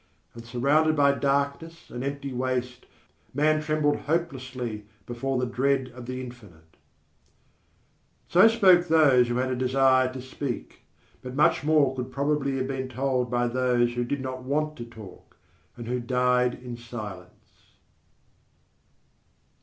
_ And surrounded by Darkness and Empty Waste, Man trembled hopelessly before the dread of the Infinite. So spoke those who had a desire to speak. But much more could probably have been told by those who did not want to talk, and who died in silence.